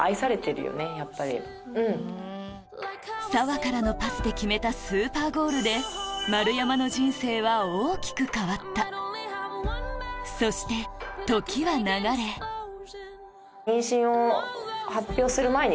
澤からのパスで決めたスーパーゴールで丸山の人生は大きく変わったそして時は流れうわ！